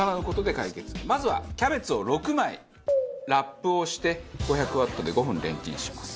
まずはキャベツを６枚ラップをして５００ワットで５分レンチンします。